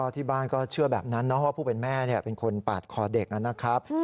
ที่บ้านก็เชื่อแบบนั้นนะว่าผู้เป็นแม่เป็นคนปาดคอเด็กนะครับ